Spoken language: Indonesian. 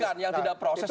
yang tidak proses